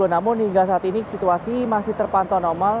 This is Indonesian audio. namun hingga saat ini situasi masih terpantau normal